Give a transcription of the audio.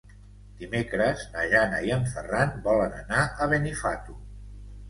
Dimecres na Jana i en Ferran volen anar a Benifato.